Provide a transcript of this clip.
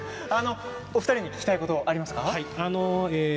お二人に聞きたいことありますか。